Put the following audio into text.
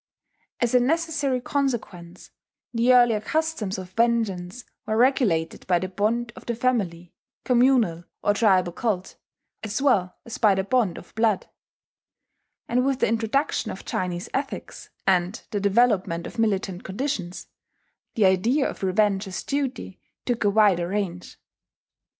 As a necessary consequence, the earlier customs of vengeance were regulated by the bond of the family, communal, or tribal cult, as well as by the bond of blood; and with the introduction of Chinese ethics, and the development of militant conditions, the idea of revenge as duty took a wider range.